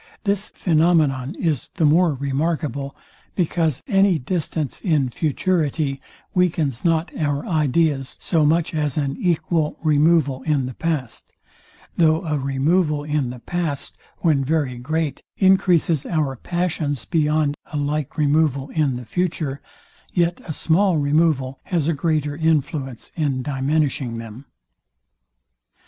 This phænomenon is the more remarkable, because any distance in futurity weakens not our ideas so much as an equal removal in the past. Though a removal in the past, when very great, encreases our passions beyond a like removal in the future, yet a small removal has a greater influence in diminishing them.